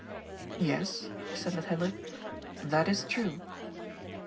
" Yes," assented Hendrik, " that is true."